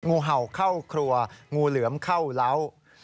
งูเห่าเข้าครัวงูเหลือมเข้าเล้า